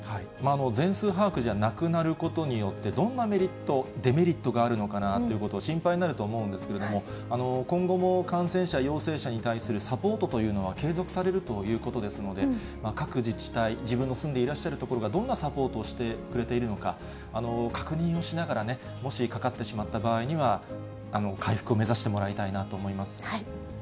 全数把握じゃなくなることによって、どんなメリット、デメリットがあるのかなということを、心配になると思うんですけれども、今後も感染者、陽性者に対するサポートというのは継続されるということですので、各自治体、自分の住んでいらっしゃる所がどんなサポートをしてくれているのか、確認をしながらね、もしかかってしまった場合には、回復を目指してもらいたいなと思います。